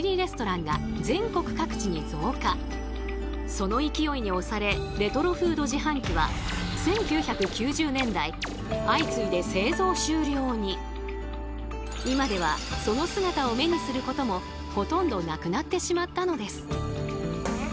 その勢いに押されレトロフード自販機は今ではその姿を目にすることもほとんどなくなってしまったのです。